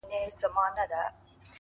ای د نشې د سمرقند او بُخارا لوري ـ